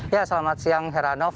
ya selamat siang heranov